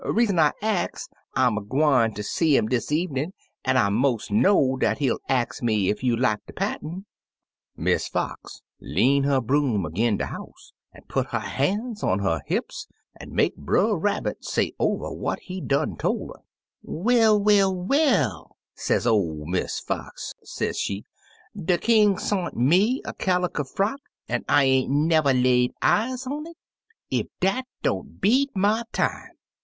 Reason I ax, I'm a gwine ter see 117 Uncle Remus Returns 'im dis evenin', an' I 'most know dat he'll ax me ef you like de pattern/ "Miss Fox lean her broom ag'in de house, an' put her han's on her hips, an' make Brer Rabbit say over what he done tor 'er. 'Well, well, well!' sez ol' Miss Fox, se'she; 'de King sont me a caliker frock, an' I ain't never lay eyes on it I Ef dat don't beat my time!'